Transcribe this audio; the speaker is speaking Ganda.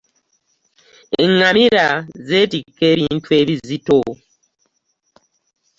Eŋŋamira zeetikka ebintu ebizito.